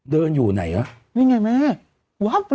เดินอยู่ไหนละ